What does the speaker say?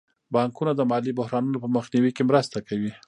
بانکونه د مالي بحرانونو په مخنیوي کې مرسته کوي.